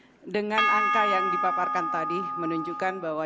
terima kasih dengan angka yang dipaparkan tadi menunjukkan bahwa